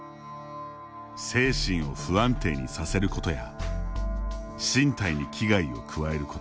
「精神を不安定にさせること」や「身体に危害を加えること」